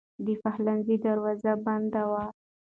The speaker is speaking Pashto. د پخلنځي دروازه بنده وه.